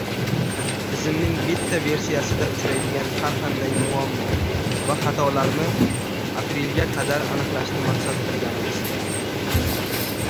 Tizimning beta-versiyasida uchraydigan har qanday muammo va xatolarni apreliga qadar aniqlashni maqsad qilganmiz.